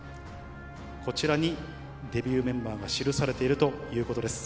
こちらにデビューメンバーが記されているということです。